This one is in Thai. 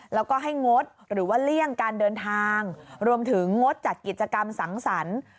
แล้วก็ให้งดหรือว่าเลี่ยงการเดินทางรวมถึงงดจัดกิจกรรมสังสรรค์